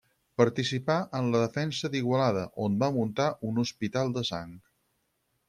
Participà en la defensa d'Igualada, on va muntar un hospital de sang.